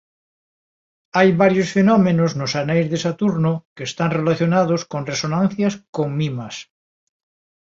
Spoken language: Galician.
Hai varios fenómenos nos aneis de Saturno que están relacionados con resonancias con Mimas.